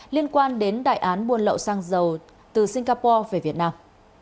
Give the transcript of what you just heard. liên quan đến đại án buôn lậu xăng dầu từ singapore về việt nam